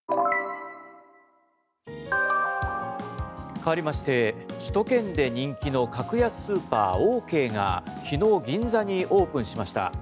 かわりまして、首都圏で人気の格安スーパー、オーケーが昨日銀座にオープンしました。